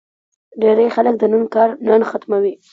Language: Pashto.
ډېری خلک د نن کار نن ختموي.